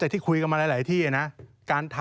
แต่ที่คุยกันมาหลายที่นะ